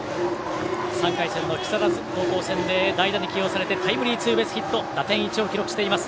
３回戦の木更津高校戦で代打で起用されてタイムリーツーベースヒット打点１を記録しています。